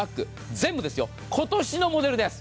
全部、今年のモデルです。